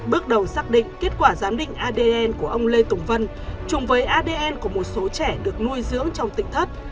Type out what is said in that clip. bước đầu xác định kết quả giám định adn của ông lê tùng vân chung với adn của một số trẻ được nuôi dưỡng trong tỉnh thất